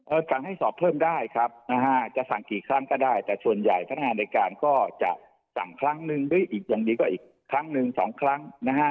สั่งให้สอบเพิ่มได้ครับนะฮะจะสั่งกี่ครั้งก็ได้แต่ส่วนใหญ่พนักงานในการก็จะสั่งครั้งนึงหรืออีกอย่างดีก็อีกครั้งหนึ่งสองครั้งนะฮะ